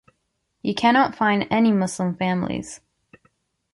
You cannot find any Muslim families.